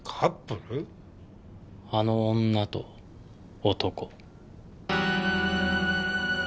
あの女と男。